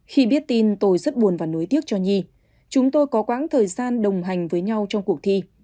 khi biết tin tôi rất buồn và nối tiếc cho nhi chúng tôi có quãng thời gian đồng hành với nhau trong cuộc thi